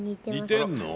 似てんの？